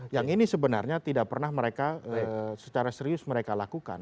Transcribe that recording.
yang ini sebenarnya tidak pernah mereka secara serius mereka lakukan